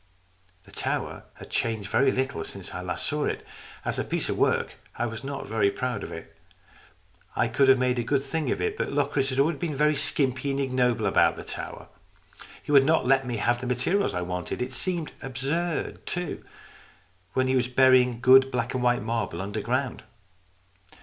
The tower had changed very little since I last saw it. As a piece of work I was not very proud of it. I could have made a good thing of it, but Locris had been very skimpy and ignoble about that tower. He would not let me have the materials I wanted. It seemed absurd enough too, when he was burying good black and white marble underground.